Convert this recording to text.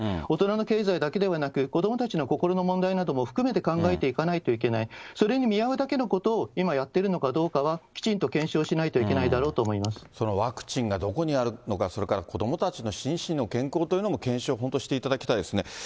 大人の経済だけではなく、子どもたちの心の問題なども含めて考えていかないと、いけない、それに見合うだけのことを、今、やってるのかどうかは、きちんと検証しそのワクチンがどこにあるのか、それから子どもたちの心身の健康というのも検証、本当していただきたいですね。